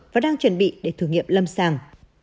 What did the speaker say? và đang chuẩn bị để thử nghiệm lâm sàng